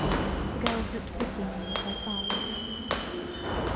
The girls looked pityingly at their father.